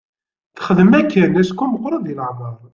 Texdem akken acku meqqret deg leɛmer.